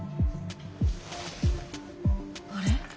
あれ？